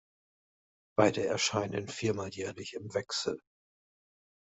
Beide erscheinen viermal jährlich im Wechsel.